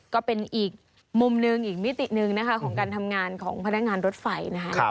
ก็เป็นอีกมุมหนึ่งอีกมิติหนึ่งนะคะของการทำงานของพนักงานรถไฟนะคะ